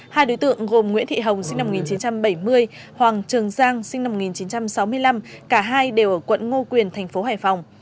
hai đối tượng gồm nguyễn thị hồng sinh năm một nghìn chín trăm bảy mươi hoàng trường giang sinh năm một nghìn chín trăm sáu mươi năm cả hai đều ở quận ngô quyền tp hcm